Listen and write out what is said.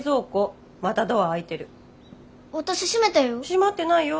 閉まってないよ。